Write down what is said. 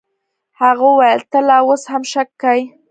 هغه وويل ته لا اوس هم شک کيې.